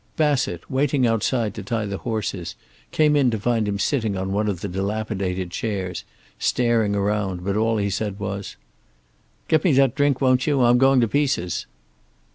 Bassett waiting outside to tie the horses came in to find him sitting on one of the dilapidated chairs, staring around, but all he said was: "Get me that drink, won't you? I'm going to pieces."